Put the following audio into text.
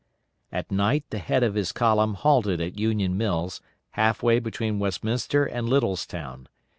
At night the head of his column halted at Union Mills, half way between Westminster and Littlestown.